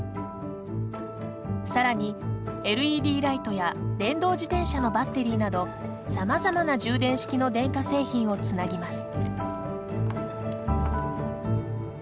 更にＬＥＤライトや電動自転車のバッテリーなどさまざまな充電式の電化製品をつなぎます。